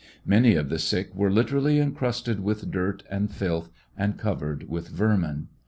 Many of the sick were literally encrusted with dirt and filth and covered with vermin.